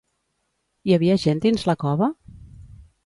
Hi havia gent dins la cova?